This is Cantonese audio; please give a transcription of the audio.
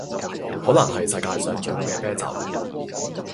可能系世界上最好嘅啤酒